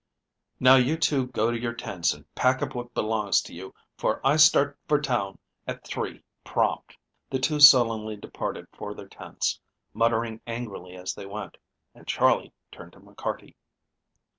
Now you two go to your tents and pack up what belongs to you, for I start for town at three prompt." The two sullenly departed for their tents, muttering angrily as they went, and Charley turned to McCarty.